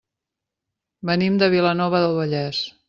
Venim de Vilanova del Vallès.